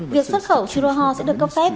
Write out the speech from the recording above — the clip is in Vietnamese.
việc xuất khẩu siroho sẽ được cấp phép